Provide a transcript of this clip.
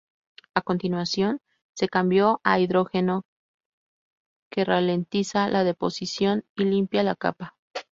A continuación, se cambió a hidrógeno, que ralentiza la deposición y limpia la capa.